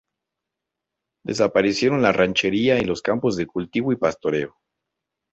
Desaparecieron la ranchería y los campos de cultivo y pastoreo.